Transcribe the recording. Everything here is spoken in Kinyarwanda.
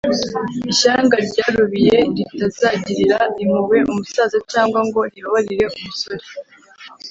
ishyanga ryarubiye, ritazagirira impuhwe umusaza cyangwa ngo ribabarire umusore.